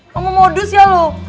ngomong modus ya lu